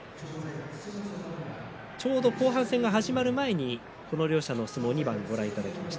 今日の後半戦が始まる前にこの両者の相撲２番ご覧いただきました。